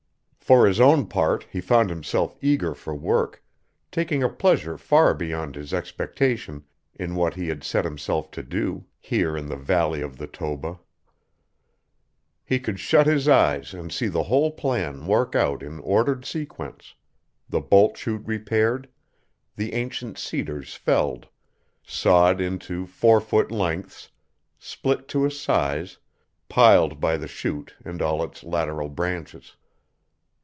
For his own part he found himself eager for work, taking a pleasure far beyond his expectation in what he had set himself to do, here in the valley of the Toba. He could shut his eyes and see the whole plan work out in ordered sequence, the bolt chute repaired, the ancient cedars felled, sawed into four foot lengths, split to a size, piled by the chute and all its lateral branches.